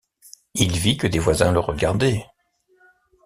Il vit que des voisins le regardaient.